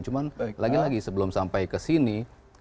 cuma lagi lagi sebelum sampai kesini